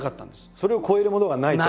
それを超えるものがないと。